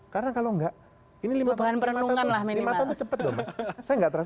karena kalau enggak ini lima tahun itu cepet dong mas